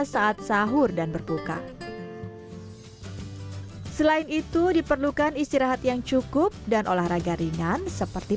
saat sahur dan berbuka selain itu diperlukan istirahat yang cukup dan olahraga ringan seperti